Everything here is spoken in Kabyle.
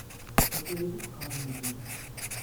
Akka yakk i d-qqaren medden.